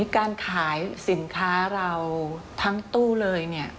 การขายสินค้าเราทั้งตู้เลยเนี่ย